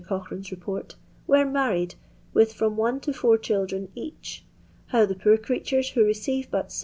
Coch rune's report, " were married, with from one to four children each. How the poor creatures who receive but 7s.